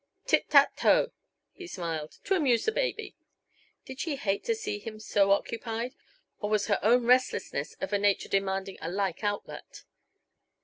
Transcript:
"Tit tat to," he smiled, "to amuse the baby." Did she hate to see him so occupied, or was her own restlessness of a nature demanding a like outlet?